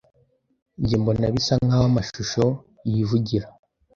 Njye mbona bisa nkaho amashusho yivugira.